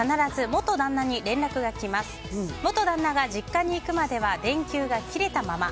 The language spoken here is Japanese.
元旦那が実家に行くまでは電球が切れたまま。